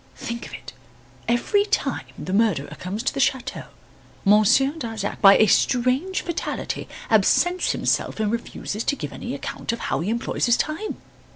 Think of it! every time the murderer comes to the chateau, Monsieur Darzac, by a strange fatality, absents himself and refuses to give any account of how he employs his time."